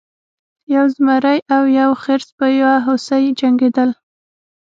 یو زمری او یو خرس په یو هوسۍ جنګیدل.